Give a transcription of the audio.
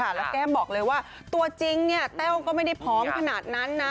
แล้วแก้มบอกเลยว่าตัวจริงแต้วก็ไม่ได้พร้อมขนาดนั้นนะ